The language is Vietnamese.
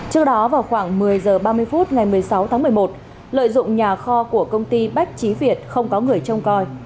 trước đó vào khoảng một mươi h ba mươi phút ngày một mươi sáu tháng một mươi một lợi dụng nhà kho của công ty bách trí việt không có người trông coi